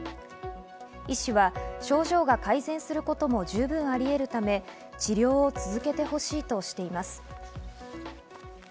医師は症状が改善することも十分あり得るため、治療を続けてほしいとしています。